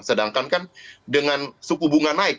sedangkan kan dengan suku bunga naik